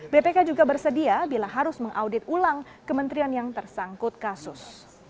bpk juga bersedia bila harus mengaudit ulang kementerian yang tersangkut kasus